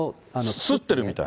刷ってるみたい？